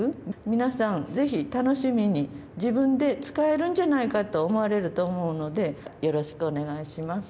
皆さん、ぜひ楽しみに自分で使えるんじゃないかと思われると思うのでよろしくお願いします。